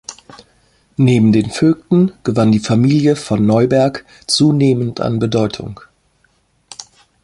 Neben den Vögten gewann die Familie von Neuberg zunehmend an Bedeutung.